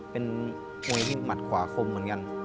เป็นมวยที่หมัดขวาคมเหมือนกัน